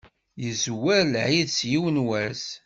Izwer lɛid s yiwen wass.